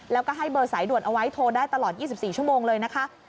แล้วก็ให้เบอร์สายด่วนเอาไว้โทรได้ตลอด๒๔ชั่วโมงเลยนะคะ